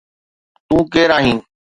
تو ڪير آهين